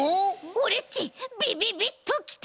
オレっちビビビッときた！